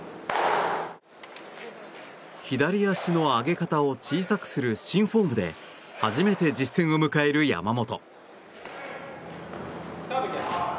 左足の上げ方を小さくする新フォームで初めて実戦を迎える山本。